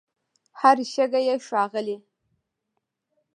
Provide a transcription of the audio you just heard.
هر شګه یې ښاغلې